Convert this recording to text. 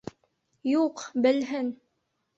Юҡ, белһен!